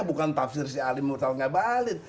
bukan tafsir si alim murtal ngabalin